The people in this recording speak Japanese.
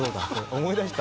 思い出した。